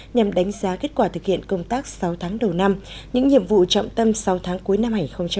nhằm đánh giá kết quả thực hiện công tác sáu tháng đầu năm những nhiệm vụ trọng tâm sáu tháng cuối năm hai nghìn hai mươi